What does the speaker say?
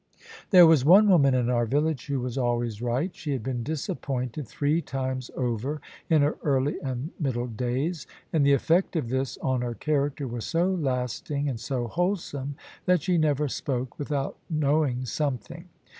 There was one woman in our village who was always right. She had been disappointed, three times over, in her early and middle days; and the effect of this on her character was so lasting and so wholesome, that she never spoke without knowing something.